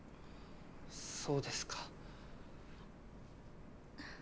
そうですか。